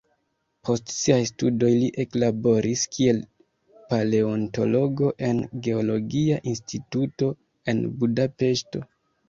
Post siaj studoj li eklaboris kiel paleontologo en geologia instituto en Budapeŝto.